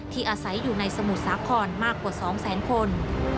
ที่อาศัยอยู่ในสมุดสาขรมากกว่า๒๐๐๐๐๐คน